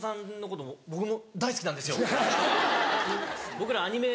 僕らアニメ